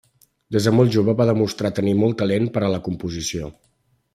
Des de molt jove va demostrar tenir molt talent per a la composició.